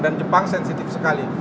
dan jepang sensitif sekali